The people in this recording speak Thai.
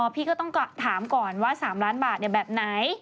พี่ก็ต้องถามก่อนว่า๓ล้านบาทแบบไหน